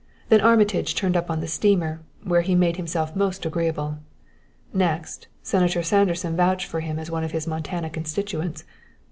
Then Armitage turned up on the steamer, where he made himself most agreeable. Next, Senator Sanderson vouched for him as one of his Montana constituents.